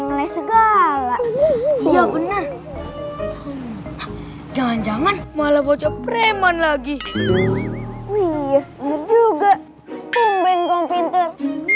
ngeles segala iya bener jangan jangan malah bocah preman lagi wih juga pembengkong pintar